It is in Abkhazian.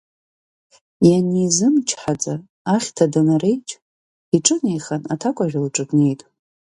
Ианизымчҳаӡа, ахьҭа данареиџь, иҿынеихан аҭакәажә лҿы днеит.